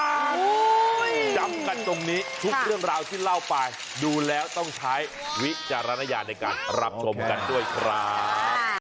จำกันตรงนี้ทุกเรื่องราวที่เล่าไปดูแล้วต้องใช้วิจารณญาณในการรับชมกันด้วยครับ